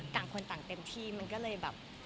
ต่างคนต่างเต็มที่มันก็เลยแบบ